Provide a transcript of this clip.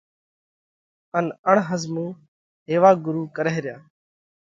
ان اڻ ۿزمُو هيوا ڳرُو ڪرئه ريا.